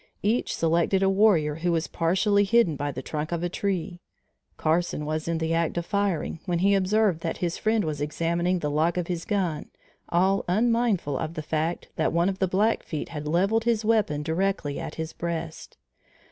Each selected a warrior who was partially hidden by the trunk of a tree. Carson was in the act of firing, when he observed that his friend was examining the lock of his gun all unmindful of the fact that one of the Blackfeet had levelled his weapon directly at his breast.